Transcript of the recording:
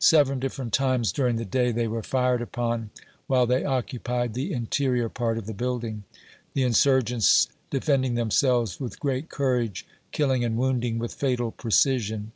Seven different times during the day they were fired upon, while they occupied the interior part of the building, the insurgents defending themselves with great courage, kill ing and wounding with fatal precision.